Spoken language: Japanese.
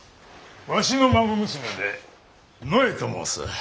わしの孫娘でのえと申す。